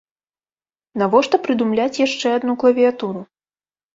Навошта прыдумляць яшчэ адну клавіятуру?